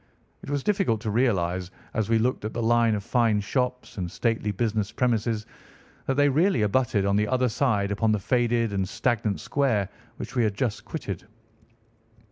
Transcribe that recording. It was difficult to realise as we looked at the line of fine shops and stately business premises that they really abutted on the other side upon the faded and stagnant square which we had just quitted.